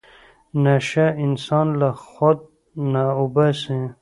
نشه انسان له خود نه اوباسي.